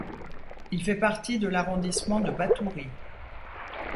Il fait partie de l'arrondissement de Batouri.